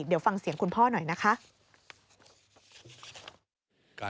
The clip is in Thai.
เดี๋ยวฟังเสียงคุณพ่อหน่อยนะคะ